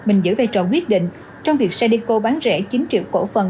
mình giữ vai trò quyết định trong việc sadeco bán rẻ chín triệu cổ phần